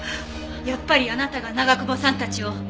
やっぱりあなたが長久保さんたちを。